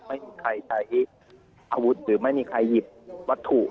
ไม่มีใครใช้อาวุธหรือไม่มีใครหยิบวัตถุ